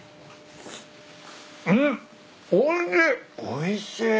おいしい。